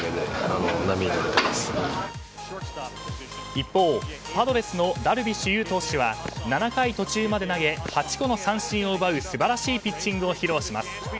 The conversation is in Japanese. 一方、パドレスのダルビッシュ有投手は７回途中まで投げ８個の三振を奪う素晴らしいピッチングを披露します。